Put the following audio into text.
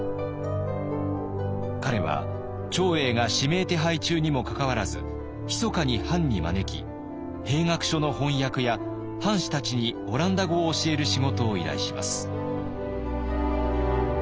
彼は長英が指名手配中にもかかわらずひそかに藩に招き兵学書の翻訳や藩士たちにオランダ語を教える仕事を依頼します。